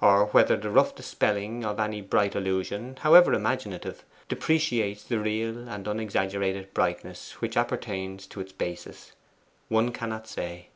Or whether the rough dispelling of any bright illusion, however imaginative, depreciates the real and unexaggerated brightness which appertains to its basis, one cannot say.